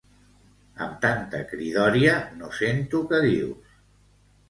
Amb tanta cridòria no sento què dius